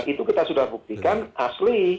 itu kita sudah buktikan asli